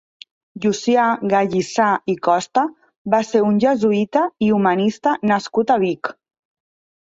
Llucià Gallissà i Costa va ser un jesuïta i humanista nascut a Vic.